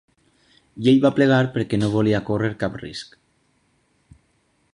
I ell va plegar perquè no volia córrer cap risc.